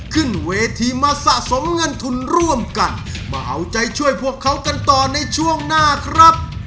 ขึ้นเวทีมาสะสมเงินทุนร่วมกันมาเอาใจช่วยพวกเขากันต่อในช่วงหน้าครับ